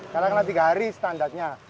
kadang kadang tiga hari standarnya